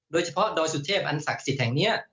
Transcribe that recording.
โดยเฉพาะดอยสุเทพอันศักดิ์สิทธิ์แห่งนี้